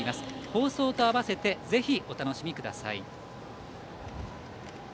放送と併せてぜひ、お楽しみください。